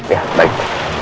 ya baik pak